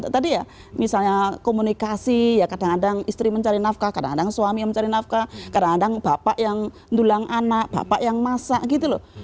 tadi ya misalnya komunikasi ya kadang kadang istri mencari nafkah kadang kadang suami mencari nafkah kadang kadang bapak yang dulang anak bapak yang masak gitu loh